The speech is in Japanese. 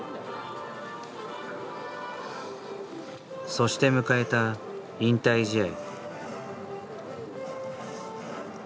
そして迎えた引退試合。